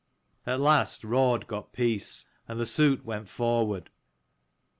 At last Raud got peace, and the suit went forward.